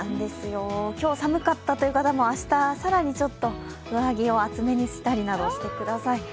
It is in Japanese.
今日、寒かったという方も明日、更に上着を厚めにしたりなどしてください。